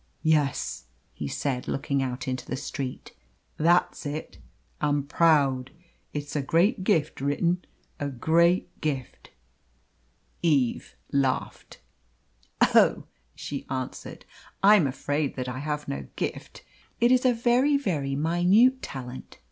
"Yes," he said, looking out into the street. "That's it. I'm proud. It's a great gift writin'. A great gift." Eve laughed. "Oh!" she answered. "I'm afraid that I have no gift. It is a very, very minute talent.